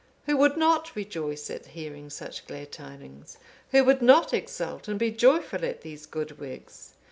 Who would not rejoice at hearing such glad tidings? Who would not exult and be joyful at these good works?